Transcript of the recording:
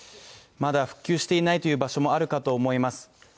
まだ復旧していないという場所もあるかと思います。